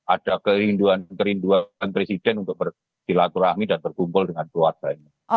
ada kerinduan kerinduan presiden untuk berkilaturahmi dan berkumpul dengan keluarga ini